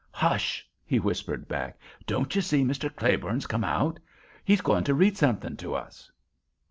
"Hush!" he whispered back. "Don't you see Mr. Claiborne's come out?—He's going to read something to us."